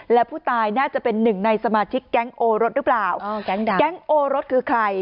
และผู้ตายน่าจะเป็นหนึ่งในสมาชิกแก๊งโอรสหรือเปล่าอ๋อแก๊งใดแก๊งโอรสคือใคร